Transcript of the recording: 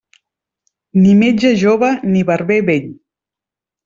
Ni metge jove ni barber vell.